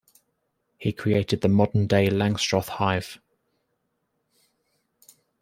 He created the modern day Langstroth hive.